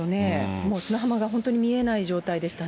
もう砂浜が本当に見えない状態でしたね。